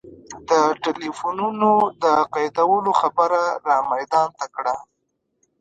د ټلفونونو د قیدولو خبره را میدان ته کړه.